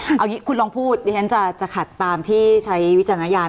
เอาอย่างนี้คุณลองพูดดิฉันจะขัดตามที่ใช้วิจารณญาณ